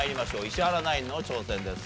石原ナインの挑戦です。